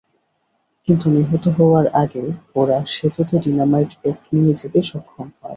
কিন্তু নিহত হওয়ার আগে ওরা সেতুতে ডিনামাইট প্যাক নিয়ে যেতে সক্ষম হয়।